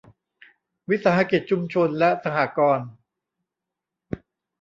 วิสาหกิจชุมชน และสหกรณ์